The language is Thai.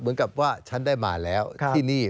เหมือนกับว่าฉันได้มาแล้วที่นี่